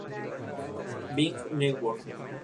Bing Network.